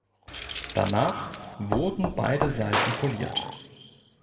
Danach wurden beide Seiten poliert.